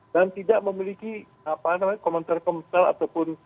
dan tidak memiliki komentar komentar ataupun